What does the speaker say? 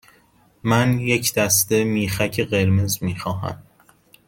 من یک دسته میخک قرمز می خواهم.